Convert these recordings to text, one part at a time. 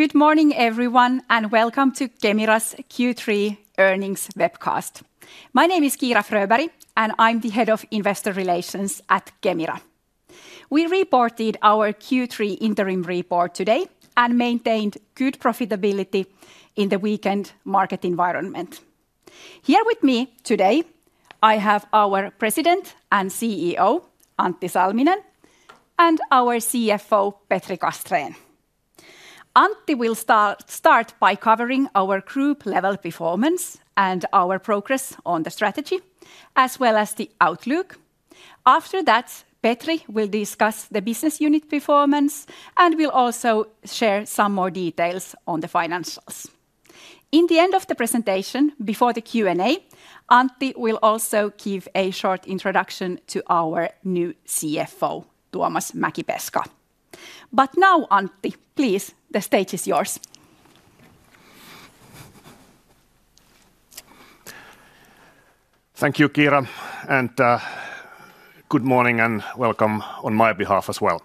Good morning, everyone, and welcome to Kemira's Q3 earnings webcast. My name is Kiira Fröberg and I'm the Head of Investor Relations at Kemira. We reported our Q3 interim report today and maintained good profitability in the weak end market environment. Here with me today, I have our President and CEO, Antti Salminen, and our CFO, Petri Castrén. Antti will start by covering our group level performance and our progress on the strategy, as well as the outlook. After that, Petri will discuss the business unit performance and will also share some more details on the financials. At the end of the presentation, before the Q&A, Antti will also give a short introduction to our new CFO, Tuomas Mäkipeska. Now, Antti, please, the stage is yours. Thank you, Kiira, and good morning and welcome on my behalf as well.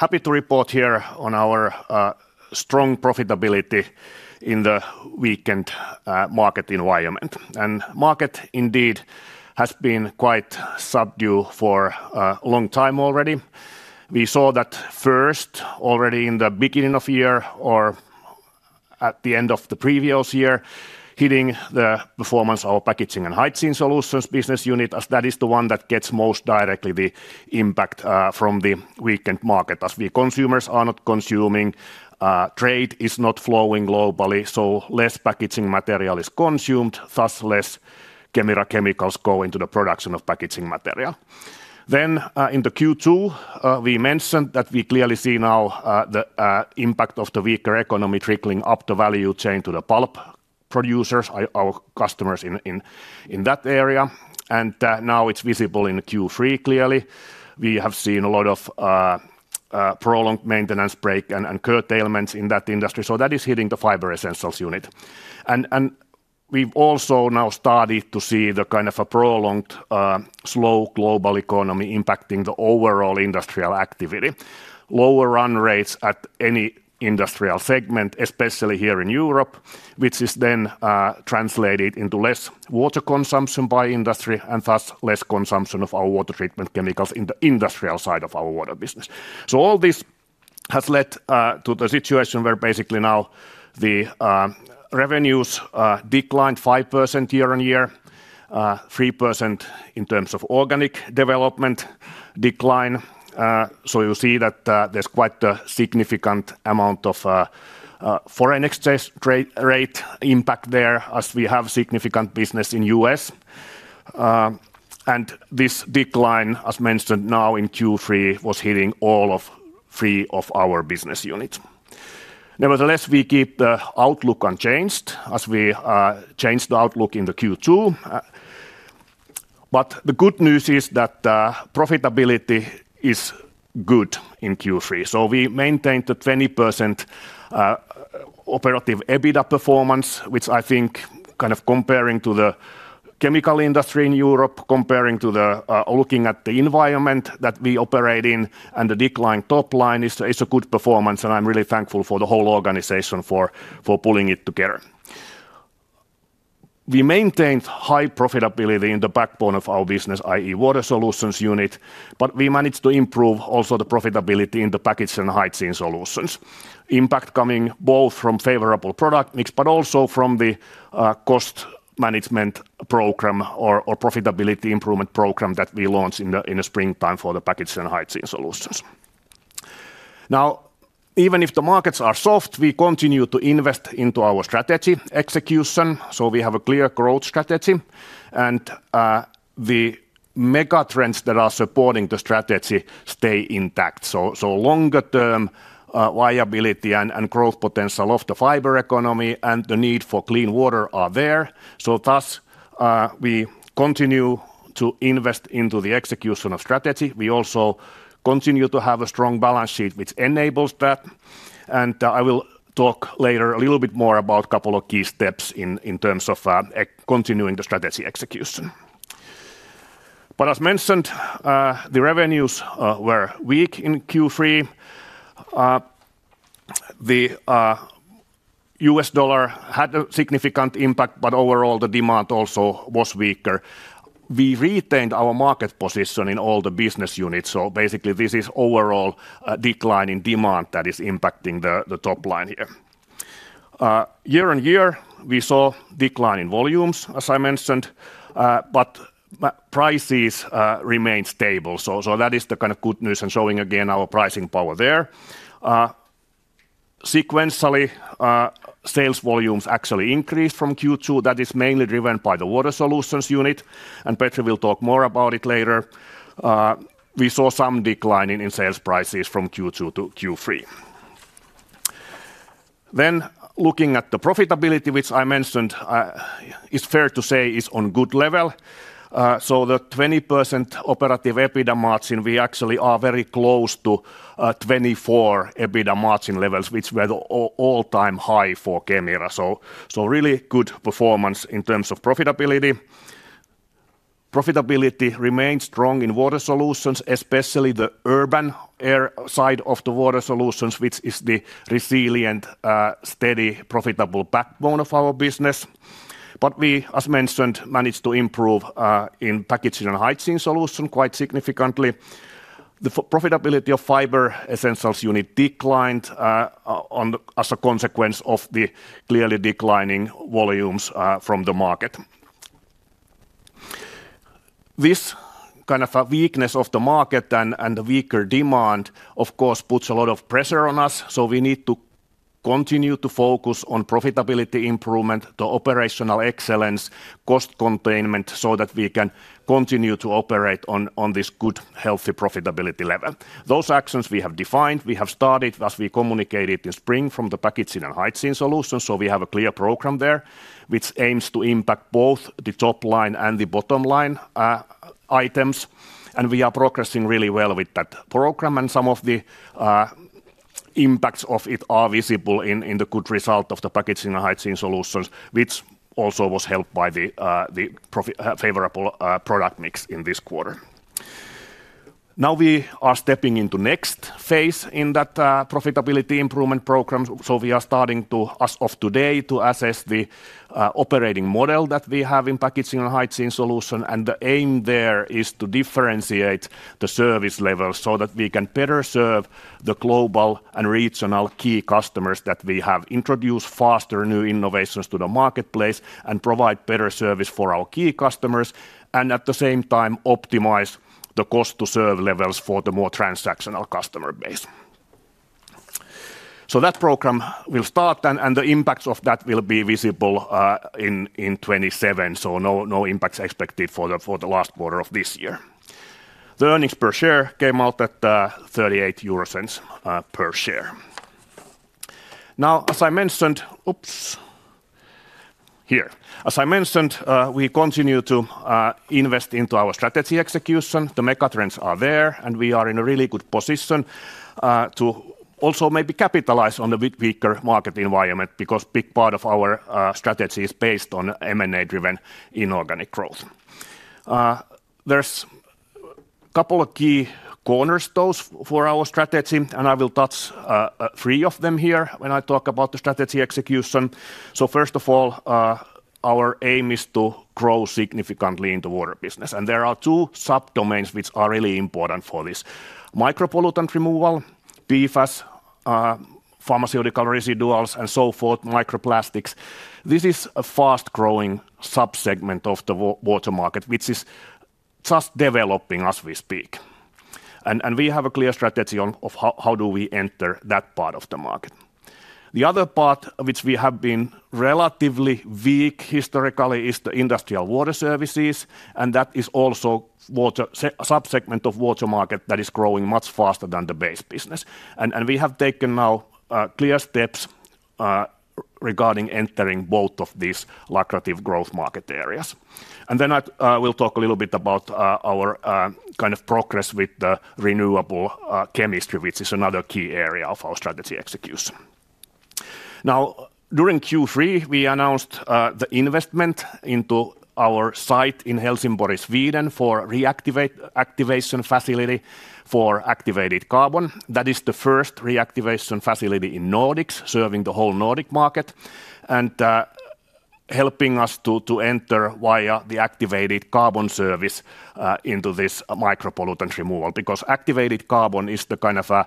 Happy to report here on our strong profitability in the weak end market environment. The market indeed has been quite subdued for a long time already. We saw that first, already in the beginning of the year or at the end of the previous year, hitting the performance of our Packaging and Hygiene Solutions business unit, as that is the one that gets most directly the impact from the weak end market, as consumers are not consuming, trade is not flowing globally, so less packaging material is consumed, thus less Kemira chemicals go into the production of packaging material. In Q2, we mentioned that we clearly see now the impact of the weaker economy trickling up the value chain to the pulp producers, our customers in that area. Now it's visible in Q3 clearly. We have seen a lot of prolonged maintenance breaks and curtailments in that industry, so that is hitting the Fiber Essentials unit. We've also now started to see the kind of a prolonged slow global economy impacting the overall industrial activity. Lower run rates at any industrial segment, especially here in Europe, which is then translated into less water consumption by industry and thus less consumption of our water treatment chemicals in the industrial side of our Water Solutions business. All this has led to the situation where basically now the revenues declined 5% year on year, 3% in terms of organic development decline. You see that there's quite a significant amount of foreign exchange rate impact there, as we have significant business in the U.S. This decline, as mentioned now in Q3, was hitting all three of our business units. Nevertheless, we keep the outlook unchanged as we changed the outlook in Q2. The good news is that profitability is good in Q3. We maintained the 20% operative EBITDA performance, which I think, kind of comparing to the chemical industry in Europe, comparing to the looking at the environment that we operate in and the declined top line, is a good performance. I'm really thankful for the whole organization for pulling it together. We maintained high profitability in the backbone of our business, i.e., Water Solutions unit, but we managed to improve also the profitability in the Packaging and Hygiene Solutions. Impact coming both from favorable product mix, but also from the cost management program or profitability improvement program that we launched in the springtime for the Packaging and Hygiene Solutions. Even if the markets are soft, we continue to invest into our strategy execution. We have a clear growth strategy, and the megatrends that are supporting the strategy stay intact. Longer-term viability and growth potential of the fiber economy and the need for clean water are there. Thus, we continue to invest into the execution of strategy. We also continue to have a strong balance sheet, which enables that. I will talk later a little bit more about a couple of key steps in terms of continuing the strategy execution. As mentioned, the revenues were weak in Q3. The U.S. dollar had a significant impact, but overall the demand also was weaker. We retained our market position in all the business units. Basically, this is overall a decline in demand that is impacting the top line here. Year on year, we saw a decline in volumes, as I mentioned, but prices remained stable. That is the kind of good news and showing again our pricing power there. Sequentially, sales volumes actually increased from Q2. That is mainly driven by the Water Solutions unit, and Petri will talk more about it later. We saw some decline in sales prices from Q2 to Q3. Looking at the profitability, which I mentioned, it's fair to say is on a good level. The 20% operative EBITDA margin, we actually are very close to 24% EBITDA margin levels, which were the all-time high for Kemira. Really good performance in terms of profitability. Profitability remains strong in Water Solutions, especially the urban air side of the Water Solutions, which is the resilient, steady, profitable backbone of our business. As mentioned, we managed to improve in Packaging and Hygiene Solutions quite significantly. The profitability of Fiber Essentials unit declined as a consequence of the clearly declining volumes from the market. This kind of a weakness of the market and the weaker demand, of course, puts a lot of pressure on us. We need to continue to focus on profitability improvement, the operational excellence, cost containment, so that we can continue to operate on this good, healthy profitability level. Those actions we have defined, we have started, as we communicated in spring, from the Packaging and Hygiene Solutions. We have a clear program there, which aims to impact both the top line and the bottom line items. We are progressing really well with that program, and some of the impacts of it are visible in the good result of the Packaging and Hygiene Solutions, which also was helped by the favorable product mix in this quarter. We are stepping into the next phase in that profitability improvement program. We are starting to, as of today, assess the operating model that we have in Packaging and Hygiene Solutions. The aim there is to differentiate the service levels so that we can better serve the global and regional key customers that we have, introduce faster new innovations to the marketplace, and provide better service for our key customers, and at the same time, optimize the cost-to-serve levels for the more transactional customer base. That program will start, and the impacts of that will be visible in 2027. No impacts expected for the last quarter of this year. The earnings per share came out at 0.38 per share. As I mentioned, we continue to invest into our strategy execution. The megatrends are there, and we are in a really good position to also maybe capitalize on the weaker market environment because a big part of our strategy is based on M&A-driven inorganic growth. There are a couple of key cornerstones for our strategy, and I will touch on three of them here when I talk about the strategy execution. First of all, our aim is to grow significantly in the water business. There are two subdomains which are really important for this: micropollutant removal, PFAS, pharmaceutical residuals, and so forth, microplastics. This is a fast-growing subsegment of the water market, which is just developing as we speak. We have a clear strategy on how do we enter that part of the market. The other part, which we have been relatively weak historically, is the industrial water services. That is also a subsegment of the water market that is growing much faster than the base business. We have taken now clear steps regarding entering both of these lucrative growth market areas. I will talk a little bit about our kind of progress with the renewable chemistry, which is another key area of our strategy execution. During Q3, we announced the investment into our site in Helsingborg, Sweden, for a reactivation facility for activated carbon. That is the first reactivation facility in the Nordics, serving the whole Nordic market and helping us to enter via the activated carbon service into this micropollutant removal because activated carbon is a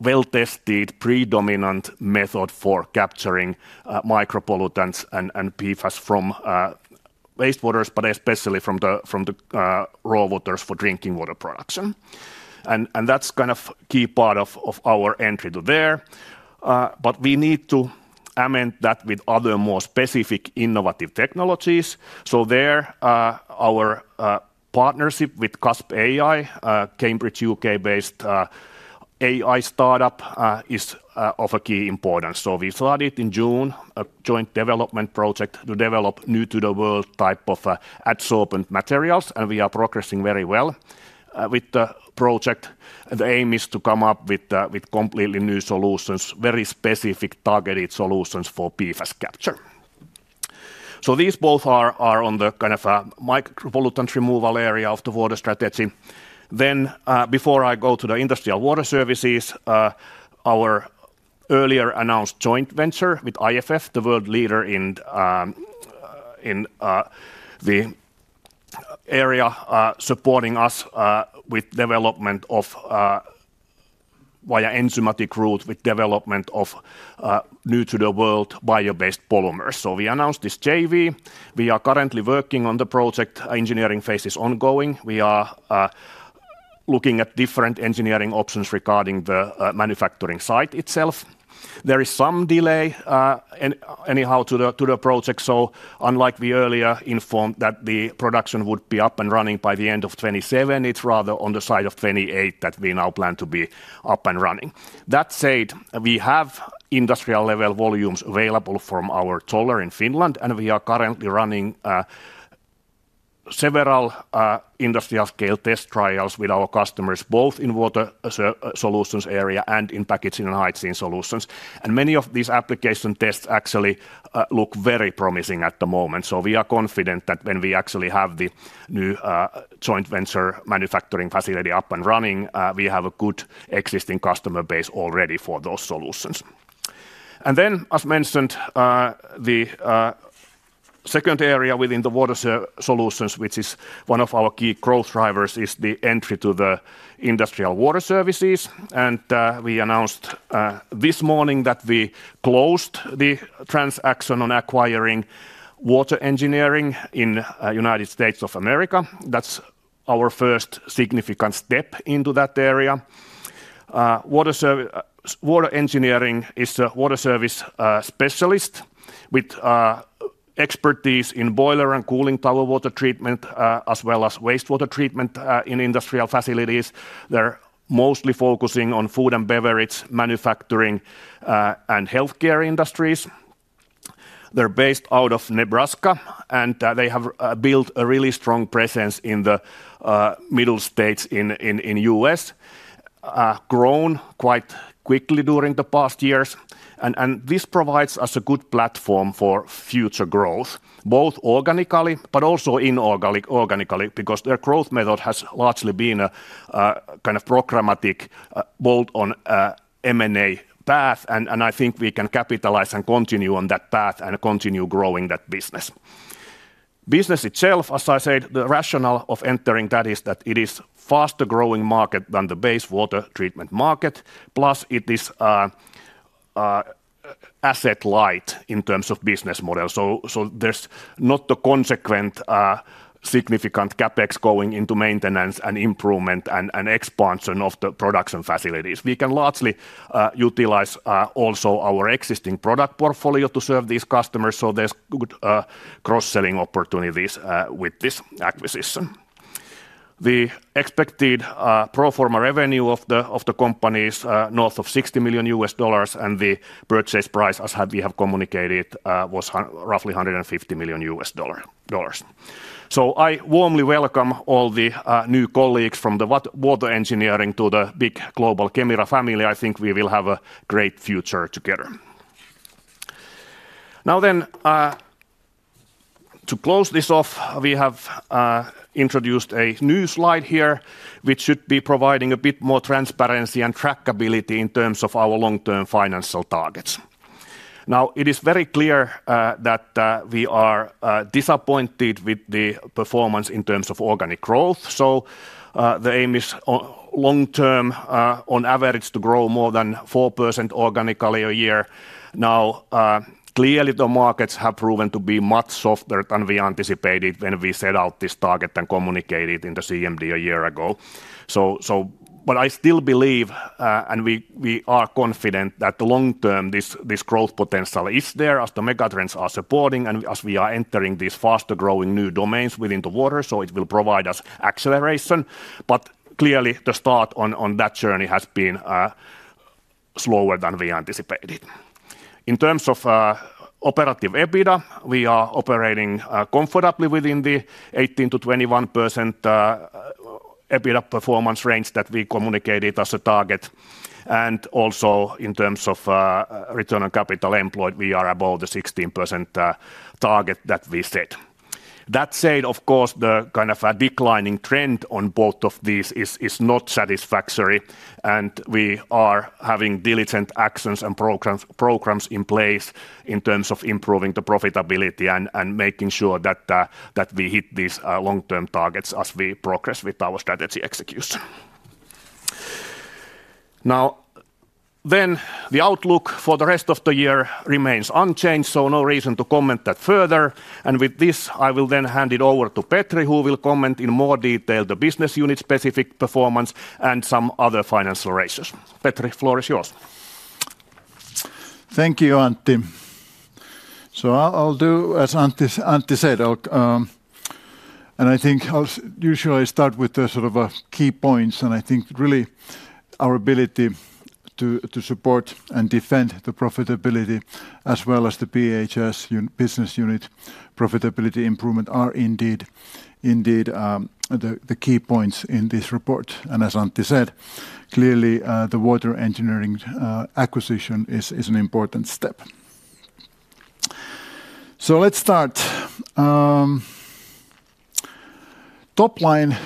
well-tested, predominant method for capturing micropollutants and PFAS from wastewaters, especially from the raw waters for drinking water production. That is a key part of our entry there. We need to amend that with other more specific innovative technologies. Our partnership with CASP AI, a Cambridge, U.K. based AI startup, is of key importance. We started in June a joint development project to develop new-to-the-world type of adsorbent materials, and we are progressing very well with the project. The aim is to come up with completely new solutions, very specific targeted solutions for PFAS capture. These both are in the micropollutant removal area of the water strategy. Before I go to the industrial water services, our earlier announced joint venture with IFS, the world leader in the area, is supporting us with development via enzymatic route, with development of new-to-the-world bio-based polymers. We announced this JV. We are currently working on the project. The engineering phase is ongoing. We are looking at different engineering options regarding the manufacturing site itself. There is some delay to the project. Unlike we earlier informed that the production would be up and running by the end of 2027, it is rather on the side of 2028 that we now plan to be up and running. That said, we have industrial-level volumes available from our taller in Finland, and we are currently running several industrial-scale test trials with our customers, both in the Water Solutions area and in Packaging and Hygiene Solutions. Many of these application tests actually look very promising at the moment. We are confident that when we actually have the new joint venture manufacturing facility up and running, we have a good existing customer base already for those solutions. As mentioned, the second area within the Water Solutions, which is one of our key growth drivers, is the entry to the industrial water services. We announced this morning that we closed the transaction on acquiring Water Engineering in the U.S. That is our first significant step into that area. Water Engineering is a water service specialist with expertise in boiler and cooling tower water treatment, as well as wastewater treatment in industrial facilities. They're mostly focusing on food and beverage manufacturing and healthcare industries. They're based out of Nebraska, and they have built a really strong presence in the Middle States in the U.S., grown quite quickly during the past years. This provides us a good platform for future growth, both organically, but also inorganically, because their growth method has largely been a kind of programmatic bolt-on M&A path. I think we can capitalize and continue on that path and continue growing that business. The business itself, as I said, the rationale of entering that is that it is a faster-growing market than the wastewater treatment market. Plus, it is asset light in terms of business model. There's not a consequent significant CapEx going into maintenance and improvement and expansion of the production facilities. We can largely utilize also our existing product portfolio to serve these customers. There's good cross-selling opportunities with this acquisition. The expected pro forma revenue of the company is north of EUR 60 million, and the purchase price, as we have communicated, was roughly EUR 150 million. I warmly welcome all the new colleagues from Water Engineering to the big global Kemira family. I think we will have a great future together. Now, to close this off, we have introduced a new slide here, which should be providing a bit more transparency and trackability in terms of our long-term financial targets. It is very clear that we are disappointed with the performance in terms of organic growth. The aim is long-term, on average, to grow more than 4% organically a year. Clearly, the markets have proven to be much softer than we anticipated when we set out this target and communicated in the CMD a year ago. I still believe, and we are confident that long-term, this growth potential is there, as the megatrends are supporting, and as we are entering these faster-growing new domains within the water. It will provide us acceleration. Clearly, the start on that journey has been slower than we anticipated. In terms of operative EBITDA: we are operating comfortably within the 18%-21% EBITDA performance range that we communicated as a target. In terms of return on capital employed, we are above the 16% target that we set. That said, the kind of a declining trend on both of these is not satisfactory. We are having diligent actions and programs in place in terms of improving the profitability and making sure that we hit these long-term targets as we progress with our strategy execution. The outlook for the rest of the year remains unchanged, so no reason to comment that further. With this, I will then hand it over to Petri, who will comment in more detail the business unit-specific performance and some other financial ratios. Petri, the floor is yours. Thank you, Antti. I'll do as Antti said, and I think I'll usually start with the sort of key points. I think really our ability to support and defend the profitability, as well as the Packaging and Hygiene Solutions business unit profitability improvement, are indeed the key points in this report. As Antti said, clearly, the Water Engineering acquisition is an important step. Let's start. Top line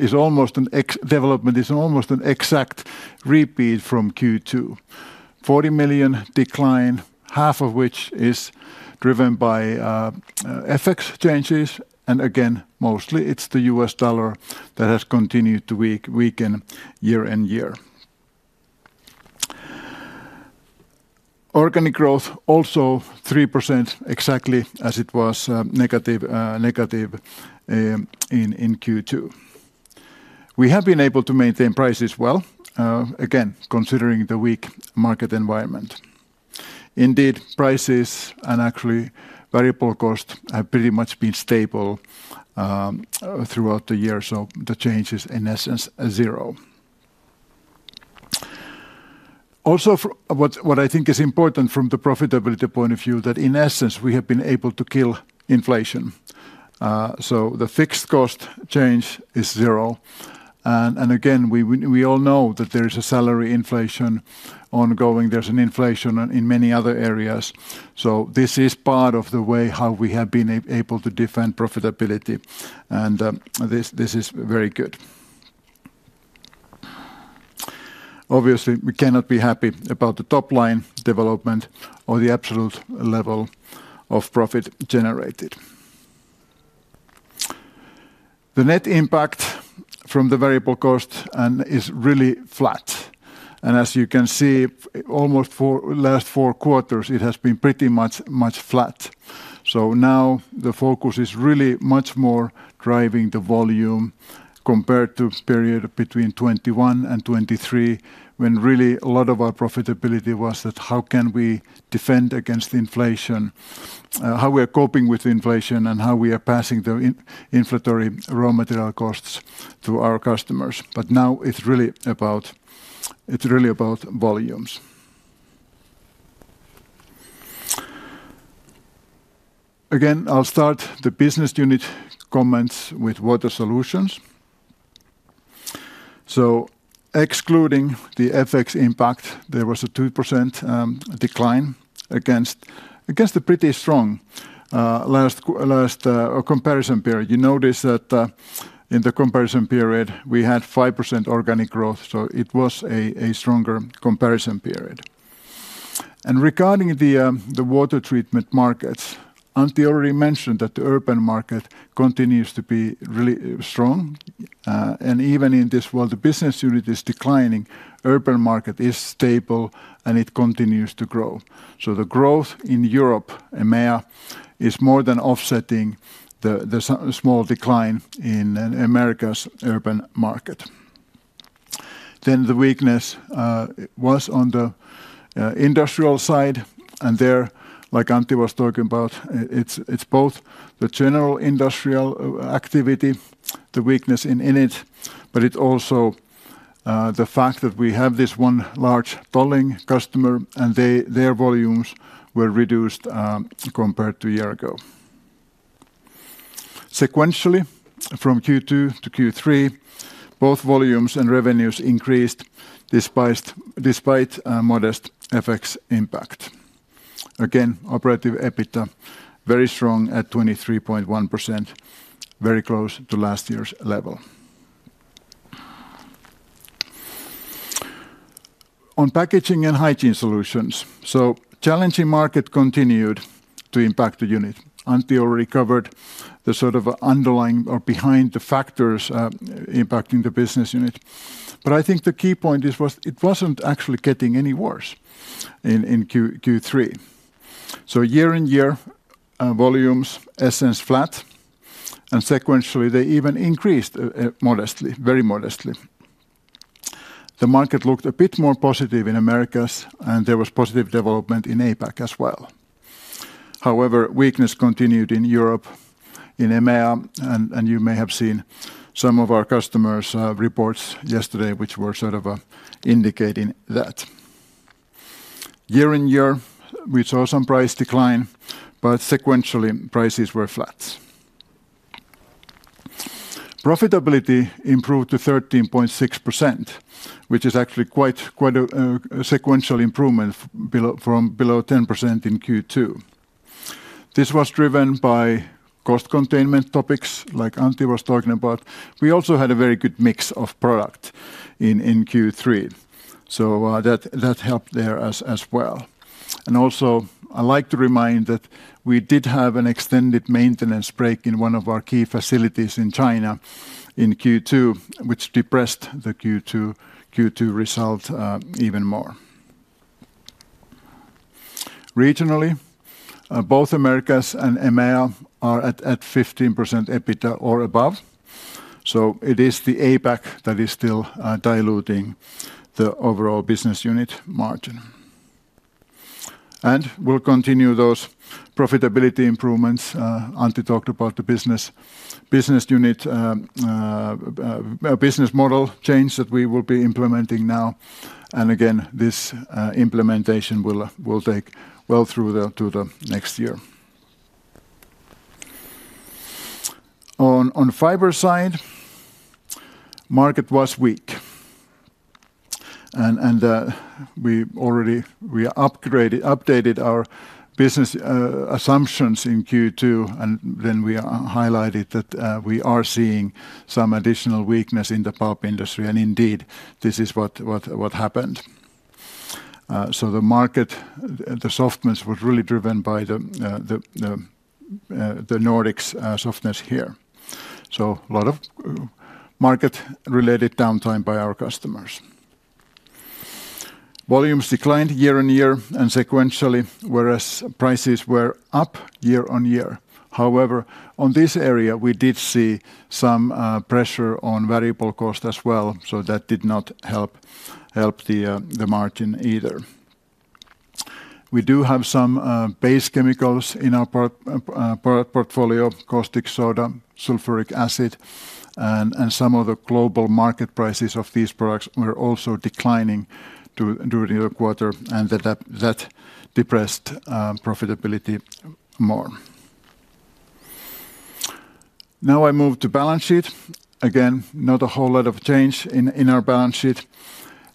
is almost a development, is almost an exact repeat from Q2. 40 million decline, half of which is driven by FX changes. Again, mostly it's the U.S. dollar that has continued to weaken year on year. Organic growth also -3% exactly as it was negative in Q2. We have been able to maintain prices well, again, considering the weak market environment. Indeed, prices and actually variable cost have pretty much been stable throughout the year. The change is in essence zero. Also, what I think is important from the profitability point of view, that in essence we have been able to kill inflation. The fixed cost change is zero. We all know that there is a salary inflation ongoing. There's an inflation in many other areas. This is part of the way how we have been able to defend profitability. This is very good. Obviously, we cannot be happy about the top line development or the absolute level of profit generated. The net impact from the variable cost is really flat. As you can see, almost the last four quarters, it has been pretty much flat. Now the focus is really much more driving the volume compared to a period between 2021 and 2023, when really a lot of our profitability was that how can we defend against inflation, how we are coping with inflation, and how we are passing the inflatory raw material costs to our customers. Now it's really about volumes. I'll start the business unit comments with Water Solutions. Excluding the FX impact, there was a 2% decline against a pretty strong last comparison period. You notice that in the comparison period, we had 5% organic growth. It was a stronger comparison period. Regarding the water treatment markets, Antti already mentioned that the urban market continues to be really strong. Even in this world, the business unit is declining. The urban market is stable, and it continues to grow. The growth in Europe is more than offsetting the small decline in America's urban market. The weakness was on the industrial side. There, like Antti was talking about, it's both the general industrial activity, the weakness in it, but it's also the fact that we have this one large tolling customer, and their volumes were reduced compared to a year ago. Sequentially, from Q2 to Q3, both volumes and revenues increased despite modest FX impact. Again, operative EBITDA very strong at 23.1%, very close to last year's level. On Packaging and Hygiene Solutions, challenging market continued to impact the unit. Antti already covered the sort of underlying or behind the factors impacting the business unit. I think the key point is it wasn't actually getting any worse in Q3. Year on year, volumes were in essence flat, and sequentially, they even increased modestly, very modestly. The market looked a bit more positive in Americas, and there was positive development in APAC as well. However, weakness continued in Europe, in EMEA, and you may have seen some of our customers' reports yesterday, which were indicating that. Year on year, we saw some price decline, but sequentially, prices were flat. Profitability improved to 13.6%, which is actually quite a sequential improvement from below 10% in Q2. This was driven by cost containment topics, like Antti was talking about. We also had a very good mix of product in Q3. That helped there as well. I'd like to remind that we did have an extended maintenance break in one of our key facilities in China in Q2, which depressed the Q2 result even more. Regionally, both Americas and EMEA are at 15% EBITDA or above. It is the APAC that is still diluting the overall business unit margin. We'll continue those profitability improvements. Antti talked about the business unit business model change that we will be implementing now. This implementation will take well through to the next year. On fiber side, the market was weak. We already updated our business assumptions in Q2. We highlighted that we are seeing some additional weakness in the pulp industry. This is what happened. The market, the softness was really driven by the Nordics softness here. A lot of market-related downtime by our customers. Volumes declined year on year and sequentially, whereas prices were up year on year. However, on this area, we did see some pressure on variable cost as well. That did not help the margin either. We do have some base chemicals in our portfolio: caustic soda, sulfuric acid, and some of the global market prices of these products were also declining during the quarter. That depressed profitability more. Now I move to balance sheet. Again, not a whole lot of change in our balance sheet.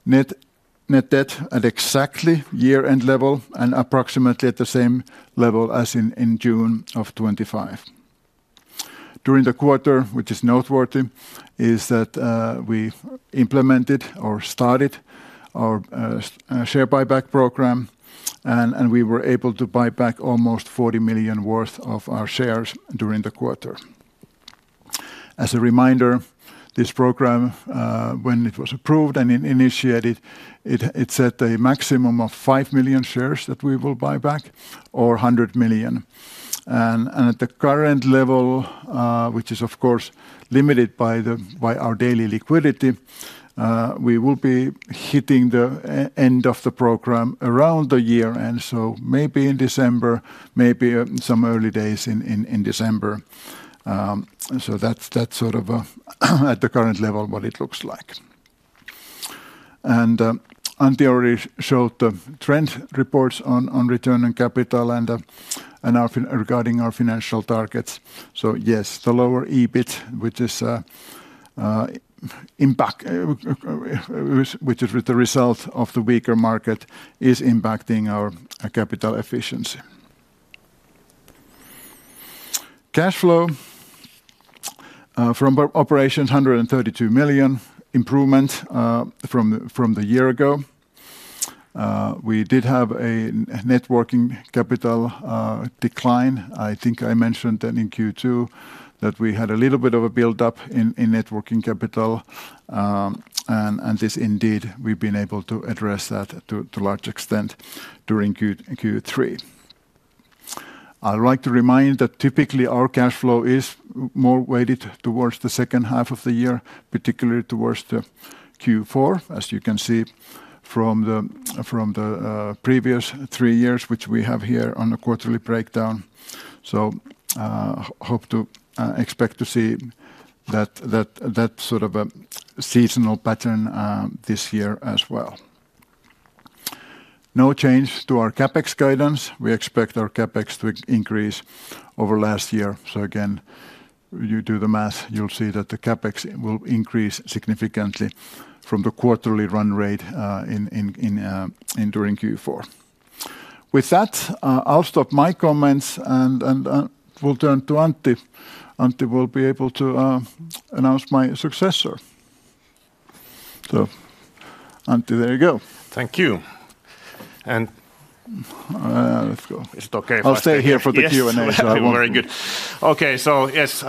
Net debt at exactly year-end level and approximately at the same level as in June of 2025. During the quarter, which is noteworthy, is that we implemented or started our share buyback program. We were able to buy back almost 40 million worth of our shares during the quarter. As a reminder, this program, when it was approved and initiated, set a maximum of 5 million shares that we will buy back or 100 million. At the current level, which is, of course, limited by our daily liquidity, we will be hitting the end of the program around the year end. Maybe in December, maybe some early days in December. That is sort of at the current level what it looks like. Antti already showed the trend reports on return on capital and regarding our financial targets. Yes, the lower EBIT, which is with the result of the weaker market, is impacting our capital efficiency. Cash flow from operations, 132 million improvement from the year ago. We did have a net working capital decline. I think I mentioned that in Q2 that we had a little bit of a buildup in net working capital. This indeed, we've been able to address that to a large extent during Q3. I'd like to remind that typically our cash flow is more weighted towards the second half of the year, particularly towards Q4, as you can see from the previous three years, which we have here on a quarterly breakdown. I hope to expect to see that sort of a seasonal pattern this year as well. No change to our CapEx guidance. We expect our CapEx to increase over the last year. You do the math, you'll see that the CapEx will increase significantly from the quarterly run rate during Q4. With that, I'll stop my comments and will turn to Antti. Antti will be able to announce my successor. Antti, there you go. Thank you. Is it okay if I... I'll stay here for the Q&A. Okay, very good. Yes,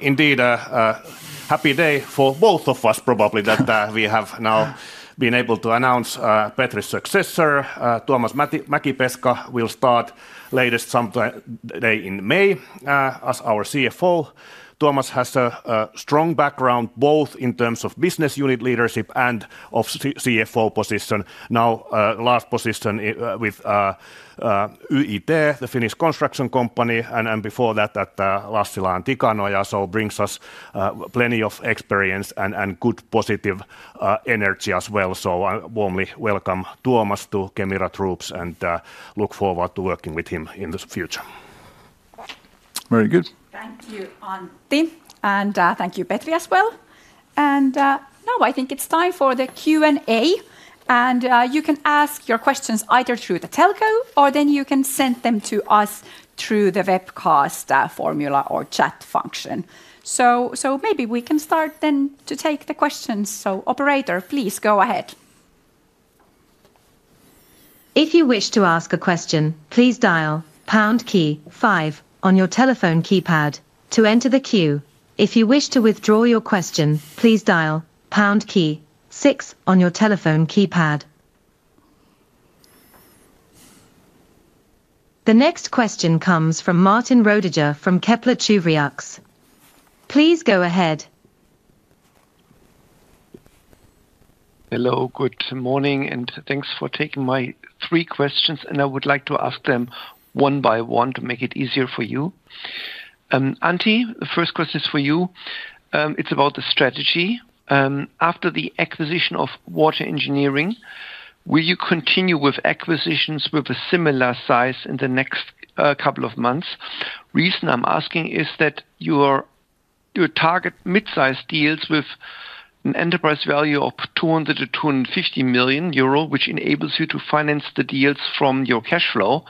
indeed, happy day for both of us probably that we have now been able to announce Petri's successor. Tuomas Mäkipeska will start latest sometime in May as our CFO. Tuomas has a strong background both in terms of business unit leadership and of CFO position. Now last position with YIT, the Finnish construction company, and before that at Lassila & Tikanoja. Brings us plenty of experience and good positive energy as well. I warmly welcome Tuomas to Kemira Troops and look forward to working with him in the future. Very good. Thank you, Antti, and thank you, Petri, as well. I think it's time for the Q&A. You can ask your questions either through the telco or you can send them to us through the webcast formula or chat function. Maybe we can start to take the questions. Operator, please go ahead. If you wish to ask a question, please dial pound key five on your telephone keypad to enter the queue. If you wish to withdraw your question, please dial pound key six on your telephone keypad. The next question comes from Martin Roediger from Kepler Cheuvreux. Please go ahead. Hello, good morning, and thanks for taking my three questions. I would like to ask them one by one to make it easier for you. Antti, the first question is for you. It's about the strategy. After the acquisition of Water Engineering, will you continue with acquisitions with a similar size in the next couple of months? The reason I'm asking is that your target mid-size deals with an enterprise value of 200 million-250 million euro, which enables you to finance the deals from your cash flow.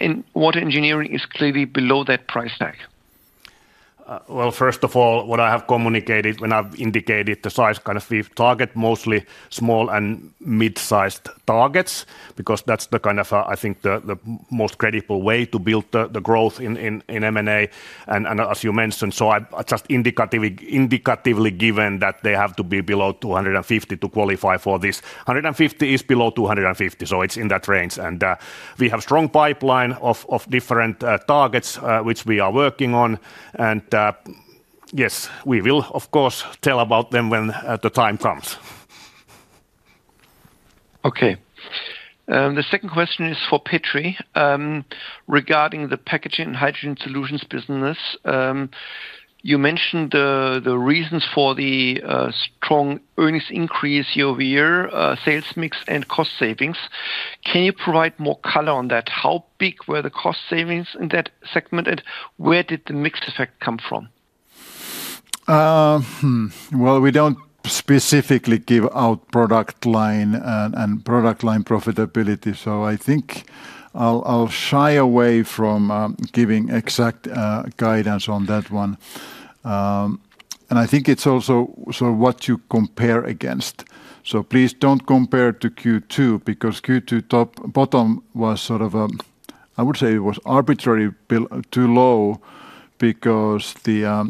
In Water Engineering is clearly below that price tag. First of all, what I have communicated when I've indicated the size, kind of we target mostly small and mid-sized targets because that's the kind of, I think, the most credible way to build the growth in M&A. As you mentioned, I just indicatively given that they have to be below 250 million to qualify for this. 150 million is below 250 million, so it's in that range. We have a strong pipeline of different targets which we are working on. Yes, we will, of course, tell about them when the time comes. Okay. The second question is for Petri. Regarding the Packaging and Hygiene Solutions business, you mentioned the reasons for the strong earnings increase year-over-year, sales mix, and cost savings. Can you provide more color on that? How big were the cost savings in that segment, and where did the mix effect come from? We don't specifically give out product line and product line profitability. I think I'll shy away from giving exact guidance on that one. I think it's also what you compare against. Please don't compare to Q2 because Q2 top bottom was sort of, I would say, arbitrary, too low because the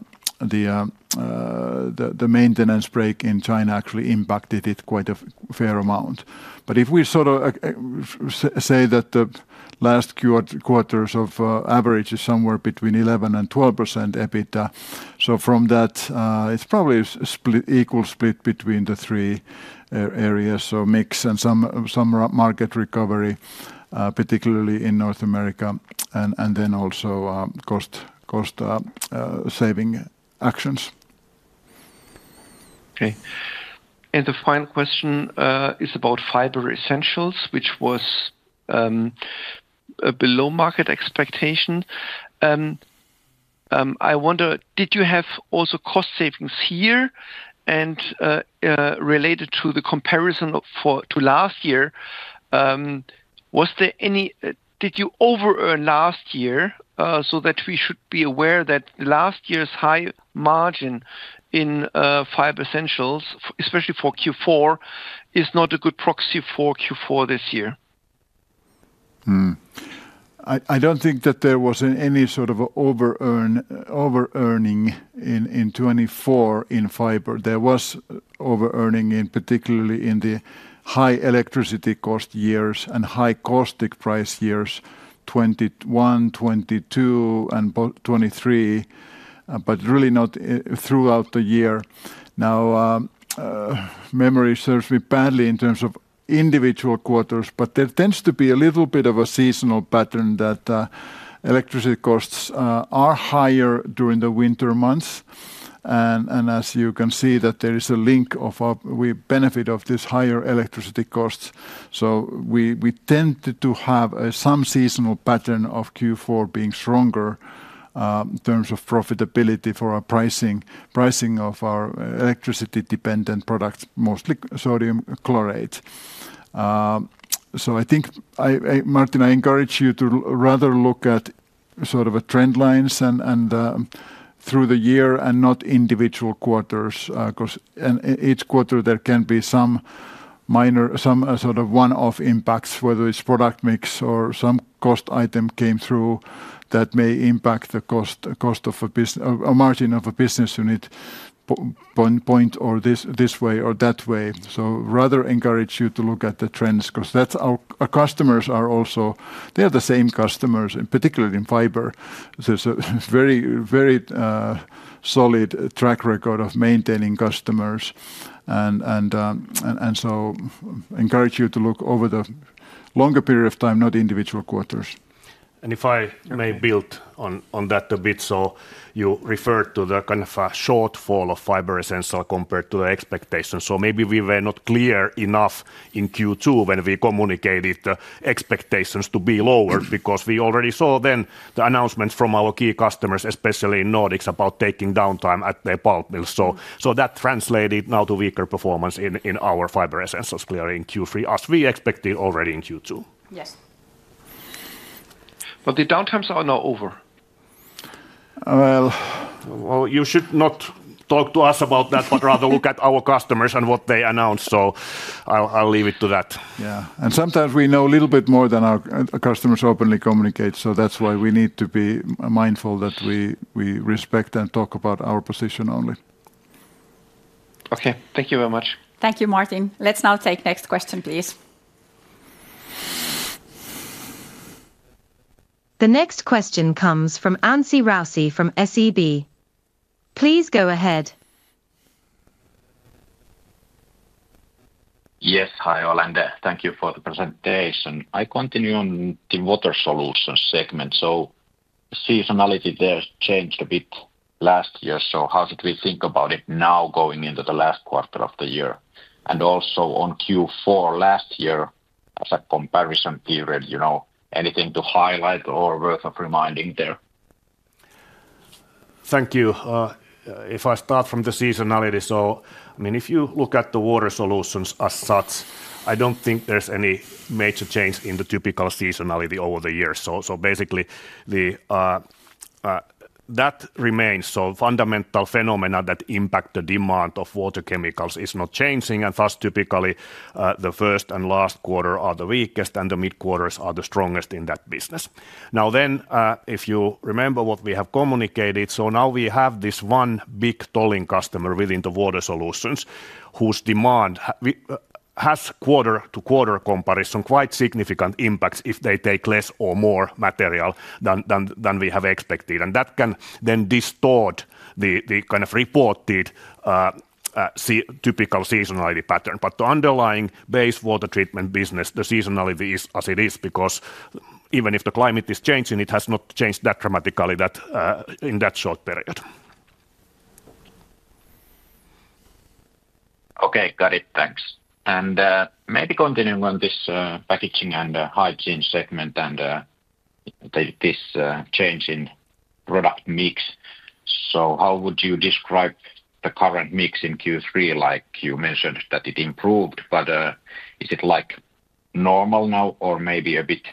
maintenance break in China actually impacted it quite a fair amount. If we sort of say that the last quarter's average is somewhere between 11% and 12% EBITDA, from that, it's probably an equal split between the three areas, so mix and some market recovery, particularly in North America, and then also cost saving actions. Okay. The final question is about Fiber Essentials, which was below market expectation. I wonder, did you have also cost savings here? Related to the comparison to last year, did you over-earn last year so that we should be aware that last year's high margin in Fiber Essentials, especially for Q4, is not a good proxy for Q4 this year? I don't think that there was any sort of over-earning in 2024 in fiber. There was over-earning particularly in the high electricity cost years and high caustic price years, 2021, 2022, and 2023, but really not throughout the year. Now, memory serves me badly in terms of individual quarters, but there tends to be a little bit of a seasonal pattern that electricity costs are higher during the winter months. As you can see, there is a link of we benefit of these higher electricity costs. We tend to have some seasonal pattern of Q4 being stronger in terms of profitability for our pricing of our electricity-dependent products, mostly sodium chloride. I think, Martin, I encourage you to rather look at sort of trend lines through the year and not individual quarters, because in each quarter there can be some minor, some sort of one-off impacts, whether it's product mix or some cost item came through that may impact the cost of a margin of a business unit point or this way or that way. I rather encourage you to look at the trends, because our customers are also, they are the same customers, particularly in fiber. There's a very, very solid track record of maintaining customers. I encourage you to look over the longer period of time, not individual quarters. If I may build on that a bit, you referred to the kind of a shortfall of Fiber Essentials compared to the expectations. Maybe we were not clear enough in Q2 when we communicated expectations to be lowered because we already saw then the announcements from our key customers, especially in Nordics, about taking downtime at the pulp mills. That translated now to weaker performance in our Fiber Essentials, clearly in Q3, as we expected already in Q2. Yes. The downtimes are now over. You should not talk to us about that, but rather look at our customers and what they announce. I'll leave it to that. Sometimes we know a little bit more than our customers openly communicate. That's why we need to be mindful that we respect and talk about our position only. Okay, thank you very much. Thank you, Martin. Let's now take the next question, please. The next question comes from Anssi Raussi from SEB. Please go ahead. Yes, hi all, and thank you for the presentation. I continue on the Water Solutions segment. The seasonality there changed a bit last year. How should we think about it now going into the last quarter of the year? Also, on Q4 last year as a comparison period, is there anything to highlight or worth reminding there? Thank you. If I start from the seasonality, if you look at the Water Solutions as such, I don't think there's any major change in the typical seasonality over the years. Basically, that remains. Fundamental phenomena that impact the demand of water chemicals is not changing. Typically, the first and last quarter are the weakest, and the mid-quarters are the strongest in that business. If you remember what we have communicated, we have this one big tolling customer within the Water Solutions whose demand has quarter-to-quarter comparison, quite significant impacts if they take less or more material than we have expected. That can then distort the kind of reported typical seasonality pattern. The underlying base water treatment business, the seasonality is as it is because even if the climate is changing, it has not changed that dramatically in that short period. Okay, got it. Thanks. Maybe continuing on this Packaging and Hygiene Solutions segment and this change in product mix. How would you describe the current mix in Q3? You mentioned that it improved, but is it normal now or maybe a bit,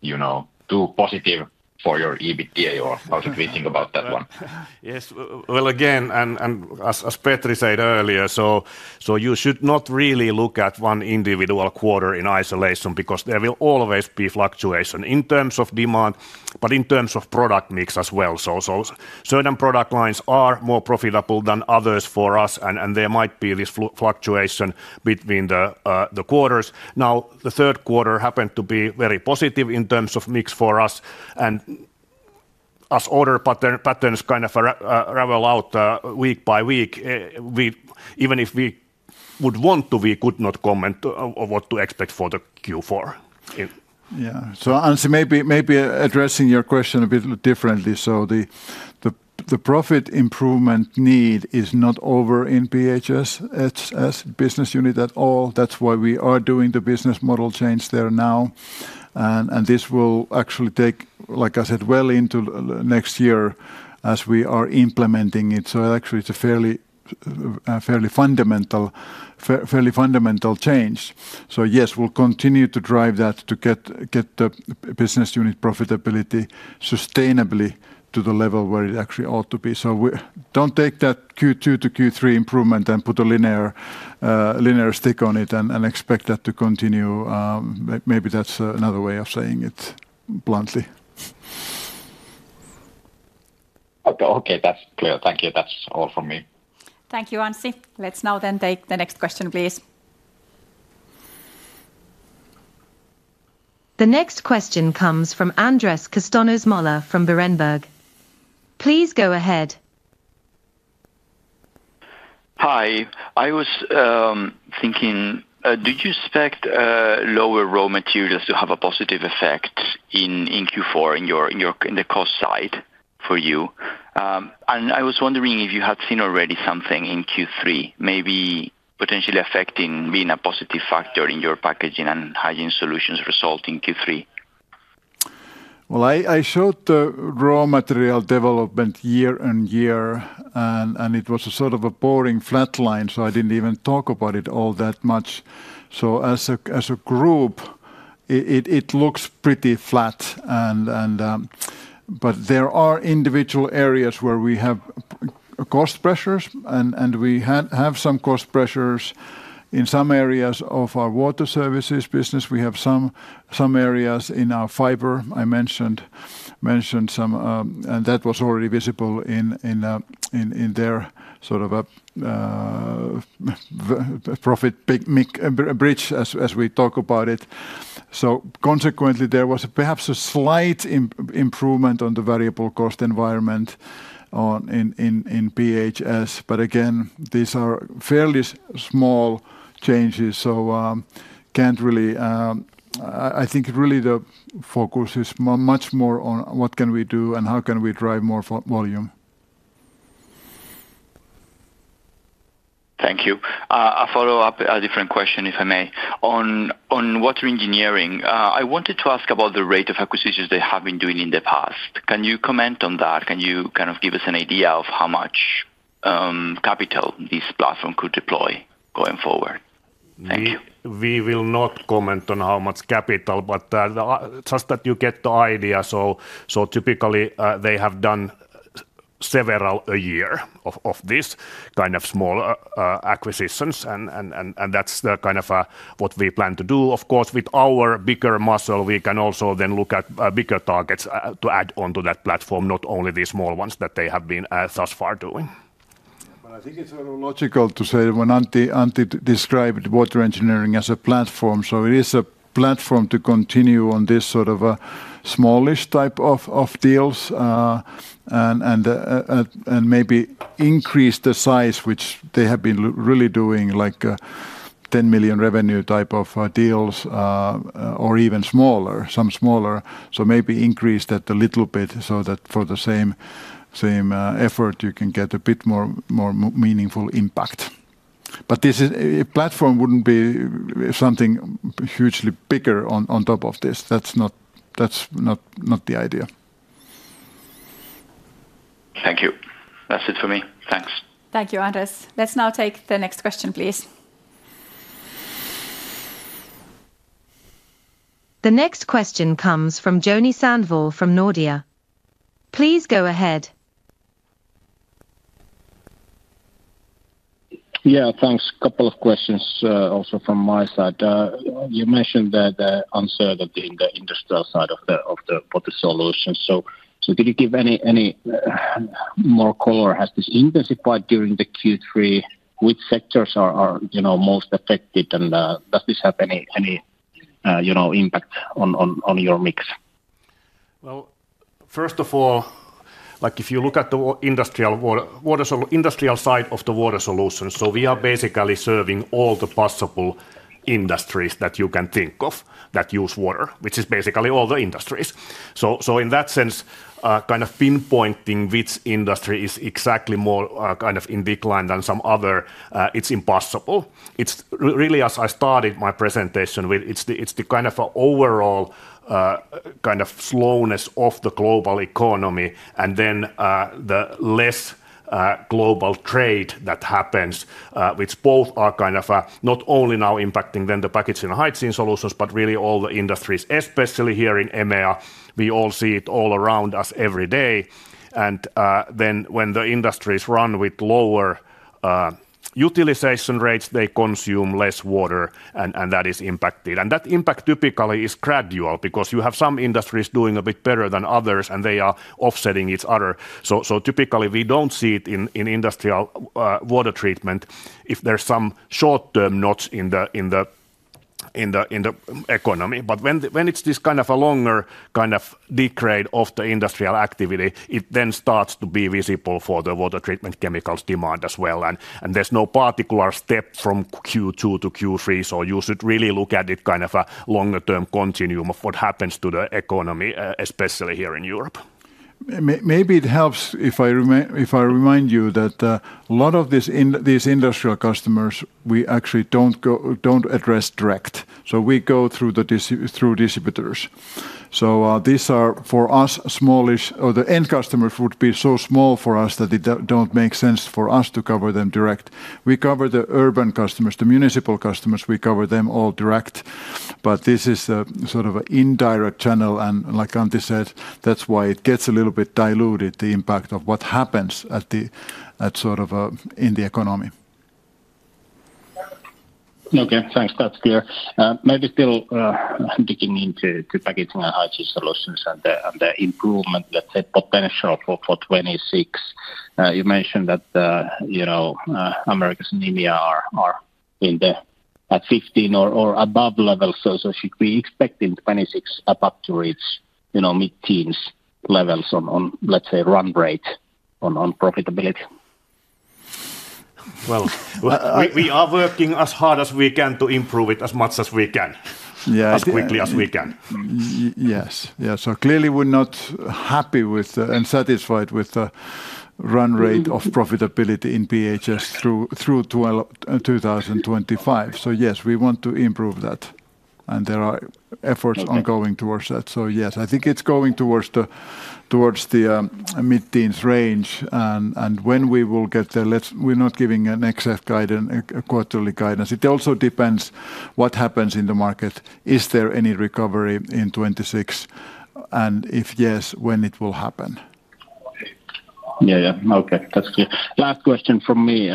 you know, too positive for your EBITDA? How should we think about that one? Yes, again, as Petri said earlier, you should not really look at one individual quarter in isolation because there will always be fluctuation in terms of demand, but in terms of product mix as well. Certain product lines are more profitable than others for us, and there might be this fluctuation between the quarters. The third quarter happened to be very positive in terms of mix for us. As order patterns kind of ravel out week by week, even if we would want to, we could not comment on what to expect for Q4. Yeah, so Antti, maybe addressing your question a bit differently. The profit improvement need is not over in the Packaging and Hygiene Solutions business unit at all. That's why we are doing the business model change there now. This will actually take, like I said, well into next year as we are implementing it. It's a fairly fundamental change. Yes, we'll continue to drive that to get the business unit profitability sustainably to the level where it actually ought to be. Don't take that Q2 to Q3 improvement and put a linear stick on it and expect that to continue. Maybe that's another way of saying it bluntly. Okay, that's clear. Thank you. That's all from me. Thank you, Antti. Let's now then take the next question, please. The next question comes from Andres Castanos from Berenberg. Please go ahead. Hi, I was thinking, do you expect lower raw materials to have a positive effect in Q4 in the cost side for you? I was wondering if you had seen already something in Q3, maybe potentially affecting being a positive factor in your Packaging and Hygiene Solutions result in Q3? I showed the raw material development year on year, and it was a sort of a boring flat line. I didn't even talk about it all that much. As a group, it looks pretty flat. There are individual areas where we have cost pressures, and we have some cost pressures in some areas of our water services business. We have some areas in our fiber, I mentioned, and that was already visible in their sort of profit bridge as we talk about it. Consequently, there was perhaps a slight improvement on the variable cost environment in PHS. Again, these are fairly small changes. I think really the focus is much more on what can we do and how can we drive more volume. Thank you. I'll follow up a different question, if I may. On Water Engineering, I wanted to ask about the rate of acquisitions they have been doing in the past. Can you comment on that? Can you kind of give us an idea of how much capital this platform could deploy going forward? Thank you. We will not comment on how much capital, but just that you get the idea. Typically, they have done several a year of this kind of small acquisitions. That's the kind of what we plan to do. Of course, with our bigger muscle, we can also then look at bigger targets to add onto that platform, not only the small ones that they have been thus far doing. I think it's very logical to say when Antti described Water Engineering as a platform. It is a platform to continue on this sort of smallish type of deals and maybe increase the size, which they have been really doing, like 10 million revenue type of deals or even smaller, some smaller. Maybe increase that a little bit so that for the same effort, you can get a bit more meaningful impact. This platform wouldn't be something hugely bigger on top of this. That's not the idea. Thank you. That's it for me. Thanks. Thank you, Andres. Let's now take the next question, please. The next question comes from Joni Sandvall from Nordea. Please go ahead. Yeah, thanks. A couple of questions also from my side. You mentioned that the answer in the industrial side of the Water Solutions. Can you give any more color? Has this intensified during Q3? Which sectors are most affected? Does this have any impact on your mix? If you look at the industrial side of the Water Solutions, we are basically serving all the possible industries that you can think of that use water, which is basically all the industries. In that sense, pinpointing which industry is exactly more in decline than some other is impossible. As I started my presentation, it's the overall slowness of the global economy and then the less global trade that happens, which both are not only now impacting the Packaging and Hygiene Solutions, but really all the industries, especially here in EMEA. We all see it all around us every day. When the industries run with lower utilization rates, they consume less water, and that is impacted. That impact typically is gradual because you have some industries doing a bit better than others, and they are offsetting each other. Typically, we don't see it in industrial water treatment if there's some short-term notch in the economy. When it's this kind of a longer degrade of the industrial activity, it then starts to be visible for the water treatment chemicals demand as well. There's no particular step from Q2 to Q3. You should really look at it as a longer-term continuum of what happens to the economy, especially here in Europe. Maybe it helps if I remind you that a lot of these industrial customers, we actually don't address direct. We go through the distributors. These are for us smallish, or the end customers would be so small for us that it doesn't make sense for us to cover them direct. We cover the urban customers, the municipal customers, we cover them all direct. This is a sort of an indirect channel, and like Antti said, that's why it gets a little bit diluted, the impact of what happens in the economy. Okay, thanks. That's clear. Maybe still digging into Packaging and Hygiene Solutions and the improvement, let's say, potential for 2026. You mentioned that, you know, Americas and EMEA are in the at 15% or above level. Should we expect in 2026 up to its mid-teens levels on, let's say, run rate on profitability? We are working as hard as we can to improve it as much as we can, as quickly as we can. Yes, yes. Clearly, we're not happy with and satisfied with the run rate of profitability in PHS through 2025. Yes, we want to improve that, and there are efforts ongoing towards that. I think it's going towards the mid-teens range. When we will get there, we're not giving an exact guidance, a quarterly guidance. It also depends what happens in the market. Is there any recovery in 2026, and if yes, when it will happen? Okay, that's clear. Last question from me.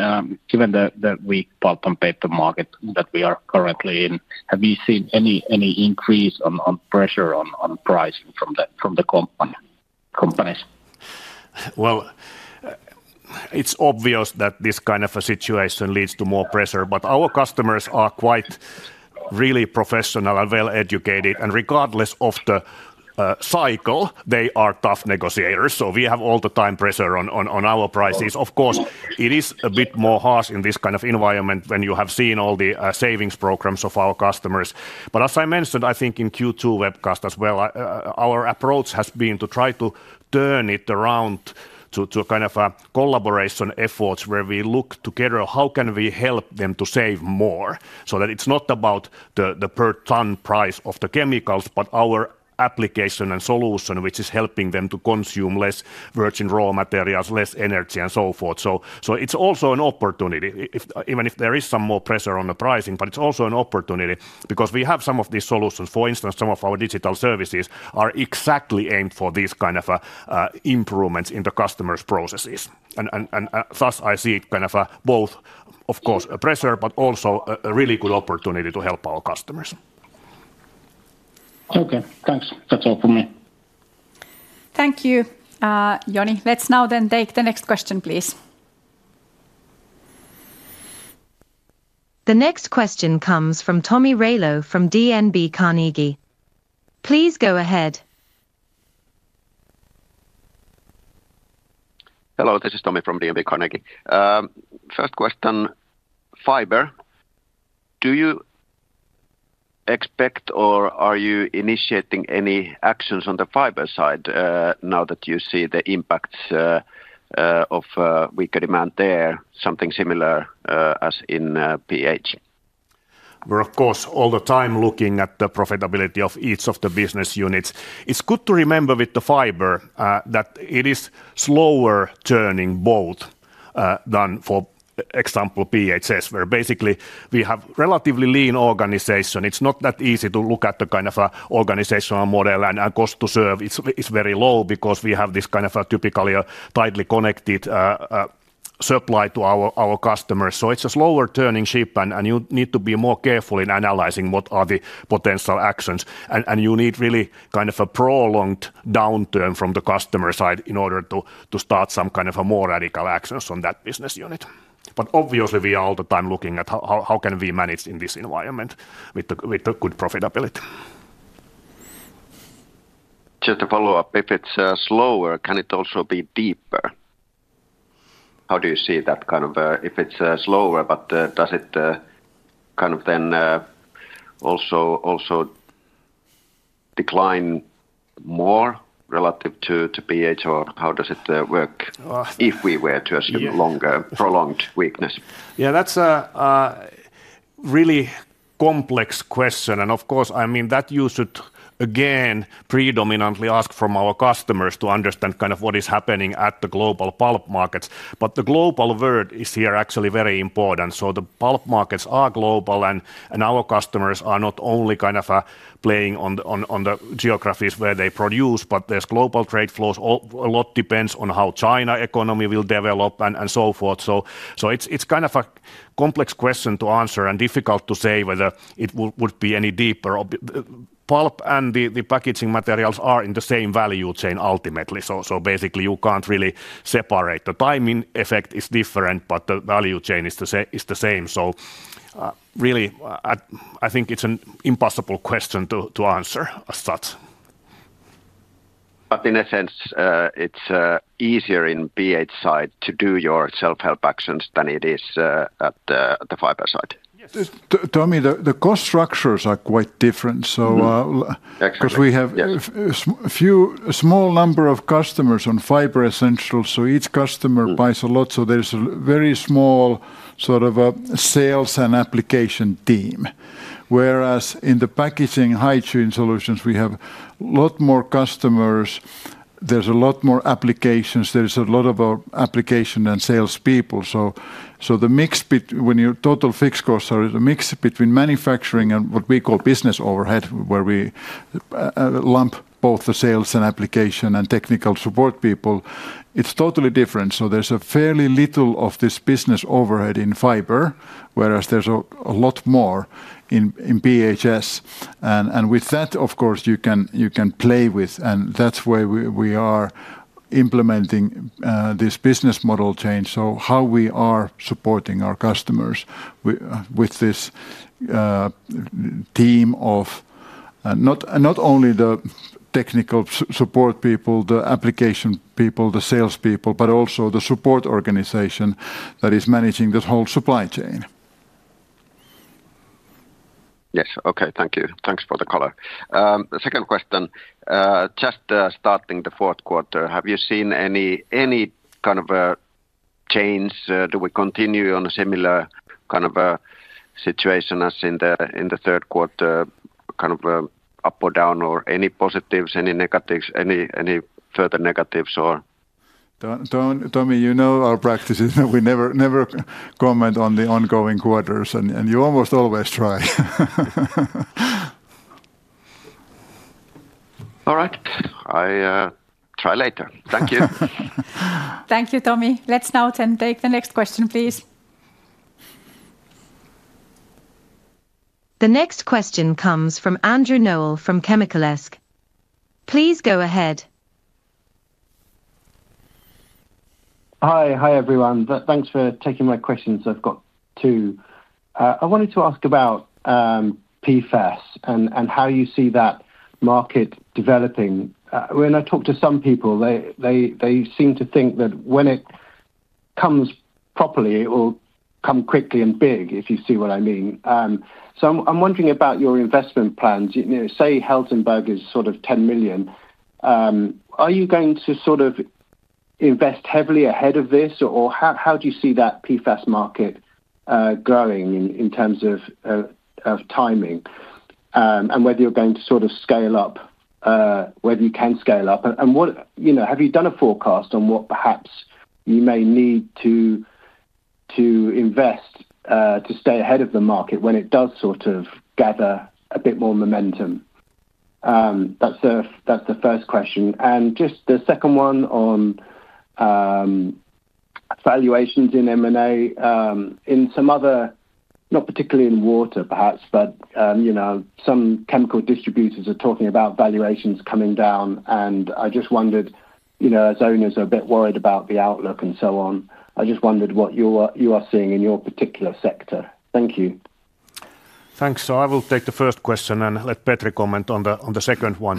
Given the weak pulp and paper market that we are currently in, have you seen any increase on pressure on pricing from the companies? It is obvious that this kind of a situation leads to more pressure. Our customers are quite really professional and well-educated. Regardless of the cycle, they are tough negotiators, so we have all the time pressure on our prices. Of course, it is a bit more harsh in this kind of environment when you have seen all the savings programs of our customers. As I mentioned, I think in the Q2 webcast as well, our approach has been to try to turn it around to a kind of a collaboration effort where we look together at how we can help them to save more so that it's not about the per ton price of the chemicals, but our application and solution, which is helping them to consume less virgin raw materials, less energy, and so forth. It is also an opportunity, even if there is some more pressure on the pricing, but it's also an opportunity because we have some of these solutions. For instance, some of our digital services are exactly aimed for these kinds of improvements in the customer's processes. Thus, I see both, of course, pressure, but also a really good opportunity to help our customers. Okay, thanks. That's all for me. Thank you, Joni. Let's now take the next question, please. The next question comes from Tomi Railo from DNB Carnegie. Please go ahead. Hello, this is Tommy from DNB Carnegie. First question, fiber. Do you expect or are you initiating any actions on the fiber side now that you see the impacts of weaker demand there, something similar as in PHS? We're, of course, all the time looking at the profitability of each of the business units. It's good to remember with the fiber that it is slower turning than, for example, Packaging and Hygiene Solutions, where basically we have a relatively lean organization. It's not that easy to look at the kind of organizational model and cost to serve. It's very low because we have this kind of typically tightly connected supply to our customers. It's a slower turning ship and you need to be more careful in analyzing what are the potential actions. You need really kind of a prolonged downturn from the customer side in order to start some kind of a more radical actions on that business unit. Obviously, we are all the time looking at how can we manage in this environment with a good profitability. Just to follow up, if it's slower, can it also be deeper? How do you see that, if it's slower, but does it kind of then also decline more relative to Packaging and Hygiene Solutions, or how does it work if we were to assume longer prolonged weakness? Yeah, that's a really complex question. Of course, I mean that you should again predominantly ask from our customers to understand kind of what is happening at the global pulp markets. The global word is here actually very important. The pulp markets are global and our customers are not only kind of playing on the geographies where they produce, but there's global trade flows. A lot depends on how China's economy will develop and so forth. It's kind of a complex question to answer and difficult to say whether it would be any deeper. Pulp and the packaging materials are in the same value chain ultimately. Basically, you can't really separate. The timing effect is different, but the value chain is the same. I think it's an impossible question to answer as such. In a sense, it's easier in PHS side to do your self-help actions than it is at the Fiber Essentials side. Yes, Tomi, the cost structures are quite different. Because we have a small number of customers on Fiber Essentials, each customer buys a lot. There's a very small sort of sales and application team. Whereas in the Packaging and Hygiene Solutions, we have a lot more customers. There's a lot more applications. There's a lot of application and salespeople. The mix, when your total fixed costs are the mix between manufacturing and what we call business overhead, where we lump both the sales and application and technical support people, is totally different. There's fairly little of this business overhead in Fiber Essentials, whereas there's a lot more in PHS. With that, of course, you can play with it. That's where we are implementing this business model change, how we are supporting our customers with this team of not only the technical support people, the application people, the salespeople, but also the support organization that is managing the whole supply chain. Yes, okay, thank you. Thanks for the color. Second question, just starting the fourth quarter, have you seen any kind of a change? Do we continue on a similar kind of a situation as in the third quarter, kind of up or down, or any positives, any negatives, any further negatives? Tommy, you know our practices. We never comment on the ongoing quarters, and you almost always try. All right, I'll try later. Thank you. Thank you, Tomi. Let's now then take the next question, please. The next question comes from Andrew Noel from Chemical Week. Please go ahead. Hi, hi everyone. Thanks for taking my questions. I've got two. I wanted to ask about PFAS and how you see that market developing. When I talk to some people, they seem to think that when it comes properly, it will come quickly and big, if you see what I mean. I'm wondering about your investment plans. Say Helsingborg is sort of 10 million. Are you going to invest heavily ahead of this, or how do you see that PFAS market growing in terms of timing and whether you're going to scale up, whether you can scale up? Have you done a forecast on what perhaps you may need to invest to stay ahead of the market when it does gather a bit more momentum? That's the first question. The second one is on valuations in M&A. In some other, not particularly in water perhaps, but you know some chemical distributors are talking about valuations coming down. I just wondered, you know as owners are a bit worried about the outlook and so on, I just wondered what you are seeing in your particular sector. Thank you. Thanks. I will take the first question and let Petri comment on the second one.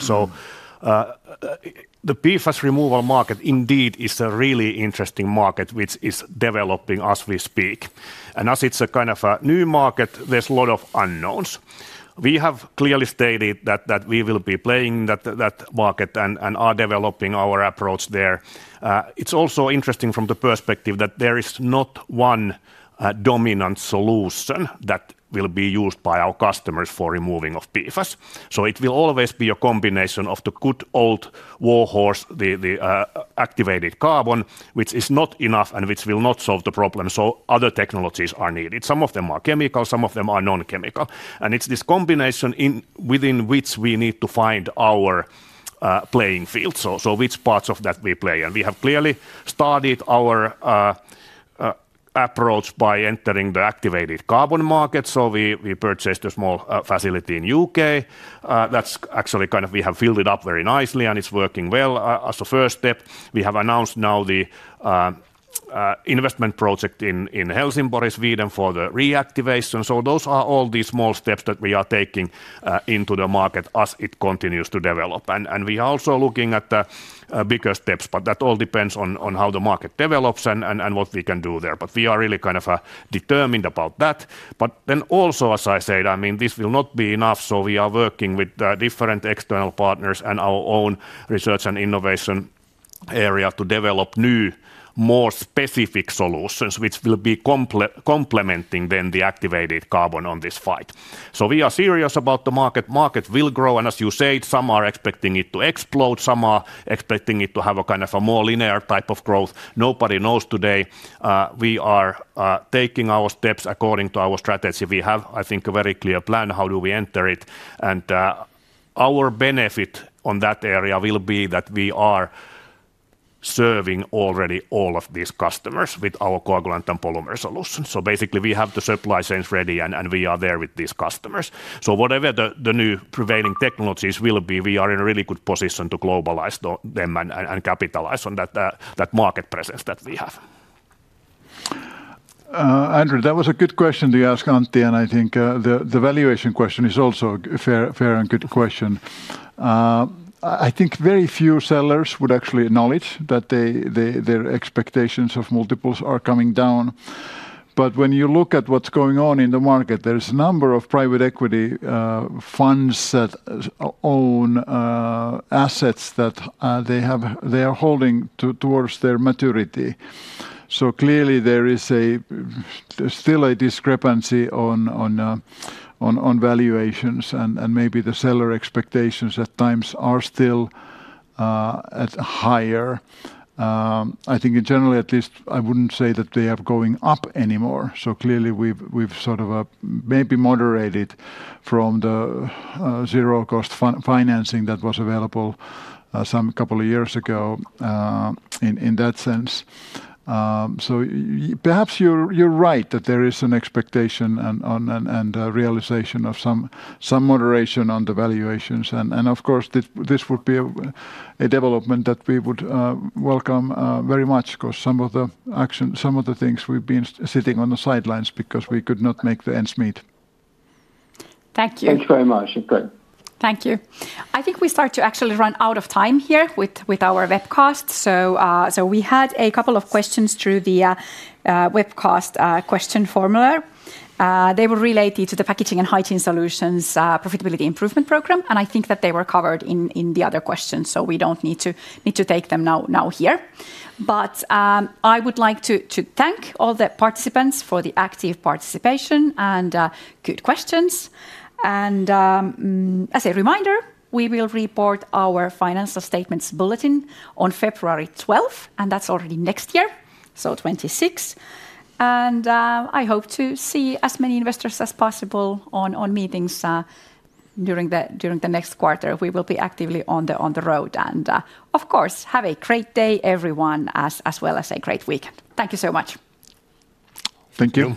The PFAS removal market indeed is a really interesting market, which is developing as we speak. As it's a kind of a new market, there's a lot of unknowns. We have clearly stated that we will be playing in that market and are developing our approach there. It's also interesting from the perspective that there is not one dominant solution that will be used by our customers for removing PFAS. It will always be a combination of the good old warhorse, the activated carbon, which is not enough and which will not solve the problem. Other technologies are needed. Some of them are chemical, some of them are non-chemical. It's this combination within which we need to find our playing field, so which parts of that we play. We have clearly started our approach by entering the activated carbon market. We purchased a small facility in the U.K.. That's actually kind of, we have filled it up very nicely and it's working well as a first step. We have announced now the investment project in Helsingborg, Sweden for the reactivation. Those are all these small steps that we are taking into the market as it continues to develop. We are also looking at the bigger steps, but that all depends on how the market develops and what we can do there. We are really kind of determined about that. As I said, this will not be enough. We are working with different external partners and our own research and innovation area to develop new, more specific solutions, which will be complementing then the activated carbon on this fight. We are serious about the market. The market will grow and as you said, some are expecting it to explode, some are expecting it to have a kind of a more linear type of growth. Nobody knows today. We are taking our steps according to our strategy. We have, I think, a very clear plan, how do we enter it. Our benefit on that area will be that we are serving already all of these customers with our coagulant and polymer solutions. Basically, we have the supply chains ready and we are there with these customers. Whatever the new prevailing technologies will be, we are in a really good position to globalize them and capitalize on that market presence that we have. Andrew, that was a good question to ask Antti. I think the valuation question is also a fair and good question. I think very few sellers would actually acknowledge that their expectations of multiples are coming down. When you look at what's going on in the market, there's a number of private equity funds that own assets that they are holding towards their maturity. Clearly, there is still a discrepancy on valuations and maybe the seller expectations at times are still higher. I think in general, at least I wouldn't say that they are going up anymore. Clearly, we've sort of maybe moderated from the zero-cost financing that was available a couple of years ago in that sense. Perhaps you're right that there is an expectation and realization of some moderation on the valuations. Of course, this would be a development that we would welcome very much because some of the actions, some of the things we've been sitting on the sidelines because we could not make the ends meet. Thank you. Thanks very much. Thank you. I think we start to actually run out of time here with our webcast. We had a couple of questions through the webcast question formular. They were related to the Packaging and Hygiene Solutions profitability improvement program. I think that they were covered in the other questions, so we don't need to take them now here. I would like to thank all the participants for the active participation and good questions. As a reminder, we will report our financial statements bulletin on February 12th. That's already next year, so 2026. I hope to see as many investors as possible on meetings during the next quarter. We will be actively on the road. Of course, have a great day, everyone, as well as a great weekend. Thank you so much. Thank you.